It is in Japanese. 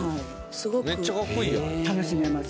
すごく楽しめます